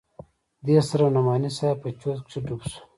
دې سره نعماني صاحب په چورت کښې ډوب سو.